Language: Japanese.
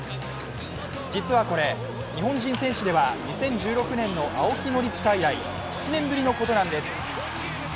実はこれ、日本人選手では２０１６年の青木宣親以来、７年ぶりのことなんです。